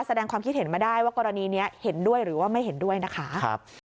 แสดงความคิดเห็นมาได้ว่ากรณีนี้เห็นด้วยหรือว่าไม่เห็นด้วยนะคะ